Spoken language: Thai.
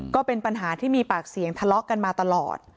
ก็เป็นปัญหาที่มีปากเสียงทะเลาะกันมาตลอด